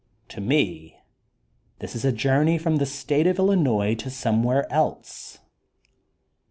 To me this is a journey from the State of Illinois to somewhere else.